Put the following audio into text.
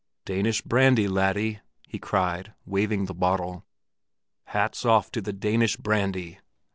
"Danish brandy, laddie!" he cried, waving the bottle. "Hats off to the Danish brandy!